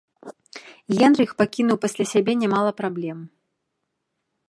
Генрых пакінуў пасля сябе нямала праблем.